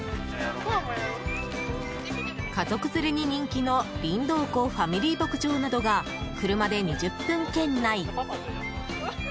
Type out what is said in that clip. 家族連れに人気のりんどう湖ファミリー牧場などが車で２０分圏内。